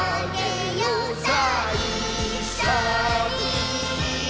「さぁいっしょに」